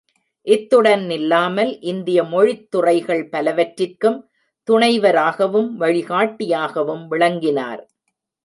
இத்துடன் நில்லாமல், இந்திய மொழித்துறைகள் பலவற்றிற்கும் துணைவராகவும் வழிகாட்டியாகவும் விளங்கினார்.